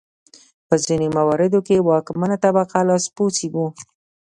په ځینو مواردو کې واکمنه طبقه لاسپوڅي وو.